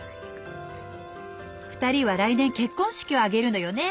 ２人は来年結婚式を挙げるのよね。